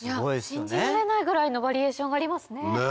信じられないぐらいのバリエーションがありますね。